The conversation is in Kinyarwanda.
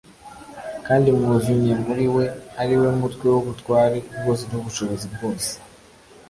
Kandi mwuzunye muri we, ariwe mutwe w'ubutware bwose n'ubushobozi bwose'.»